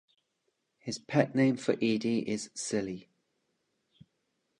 His pet name for Edie is "Silly".